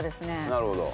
なるほど。